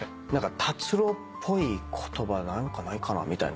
達郎っぽい言葉何かないかなみたいな。